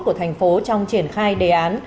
của thành phố trong triển khai đề án